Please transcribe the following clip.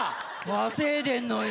稼いでんのよ。